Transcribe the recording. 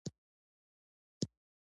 ځینې رازونه تل ښخ پاتې کېږي.